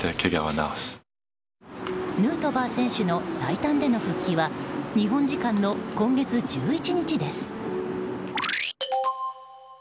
ヌートバー選手の最短での復帰は日本時間の今月１１日です。